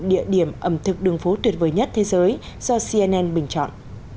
địa điểm ẩm thực đường phố tuyệt vời nhất thế giới do cnn bình chọn